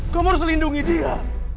kamu harus melindungi dia